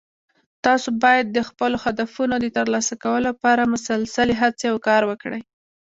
تاسو باید د خپلو هدفونو د ترلاسه کولو لپاره مسلسلي هڅې او کار وکړئ